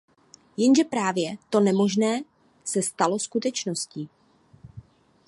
Jenže právě to nemožné se stalo skutečností.